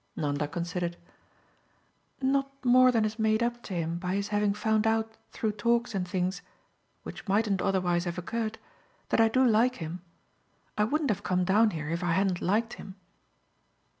Nanda considered. "Not more than is made up to him by his having found out through talks and things which mightn't otherwise have occurred that I do like him. I wouldn't have come down here if I hadn't liked him."